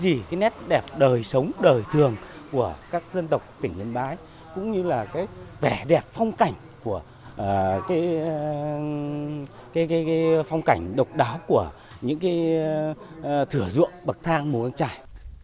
cái gì cái nét đẹp đời sống đời thường của các dân tộc tỉnh miền bái cũng như là cái vẻ đẹp phong cảnh của cái phong cảnh độc đáo của những thửa ruộng bậc thang mùa trải